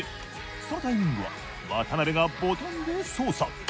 そのタイミングは渡邉がボタンで操作。